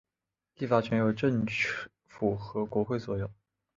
立法权由政府和国会所有。